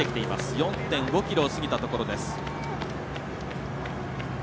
４．５ｋｍを過ぎたところ。